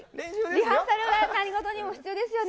リハーサルは何事にも必要ですよね。